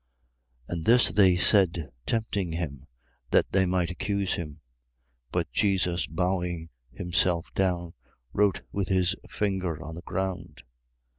8:6. And this they said tempting him, that they might accuse him. But Jesus bowing himself down, wrote with his finger on the ground.